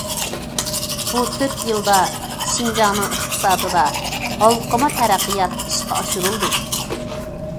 بۇ تۆت يىلدا شىنجاڭنىڭ ئىقتىسادىدا ھالقىما تەرەققىيات ئىشقا ئاشۇرۇلدى.